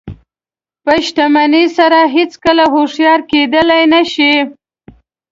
په شتمنۍ سره هېڅکله هوښیار کېدلی نه شئ.